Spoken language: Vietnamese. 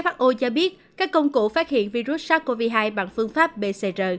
who cho biết các công cụ phát hiện virus sars cov hai bằng phương pháp pcr